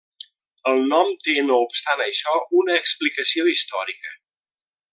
El nom té, no obstant això, una explicació històrica.